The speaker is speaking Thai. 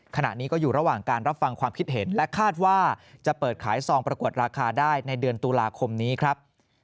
ขณะนี้ก็อยู่ระหว่างการรับฟังความคิดเห็นและคาดว่าจะเปิดขายซองประกวดราคาได้ในเดือนตุลาคมนี้ครับ